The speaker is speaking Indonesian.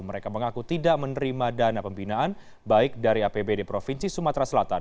mereka mengaku tidak menerima dana pembinaan baik dari apbd provinsi sumatera selatan